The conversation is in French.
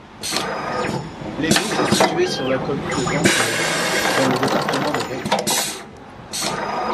L'église est située sur la commune de Dampleux, dans le département de l'Aisne.